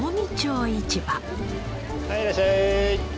はいいらっしゃい。